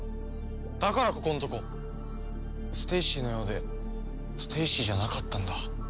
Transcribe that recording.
だからここんとこステイシーのようでステイシーじゃなかったんだ。